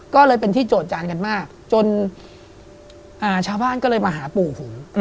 ก็เลยเป็นที่โจทจานกันมากจนชาวบ้านก็เลยมาหาปู่ผม